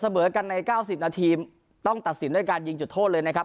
เสมอกันใน๙๐นาทีต้องตัดสินด้วยการยิงจุดโทษเลยนะครับ